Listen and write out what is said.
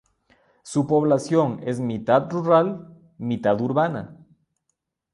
Su población es mitad rural, mitad urbana.